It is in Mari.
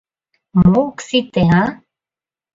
Мо ок сите, а?..